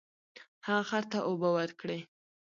هغه خر ته اوبه ورکړې.